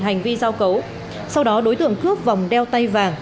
hành vi giao cấu sau đó đối tượng cướp vòng đeo tay vàng